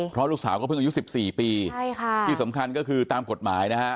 เพราะลูกสาวก็เพิ่งอายุ๑๔ปีใช่ค่ะที่สำคัญก็คือตามกฎหมายนะฮะ